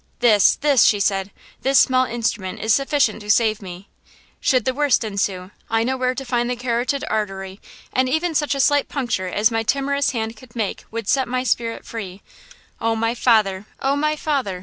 "This! this!" she said, "this small instrument is sufficient to save me! Should the worst ensue, I know where to find the carotid artery, and even such a slight puncture as my timorous hand could make would set my spirit free! Oh, my father! oh, my father!